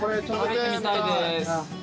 食べてみたいです。